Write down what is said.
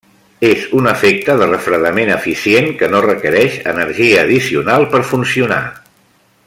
És un efecte de refredament eficient que no requereix energia addicional per funcionar.